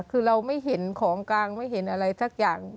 คือเราไม่เห็นของกลางไม่เห็นอะไรสักอย่าง